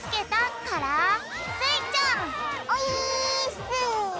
オィーッス！